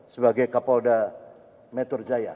sebagai kapolda metru jaya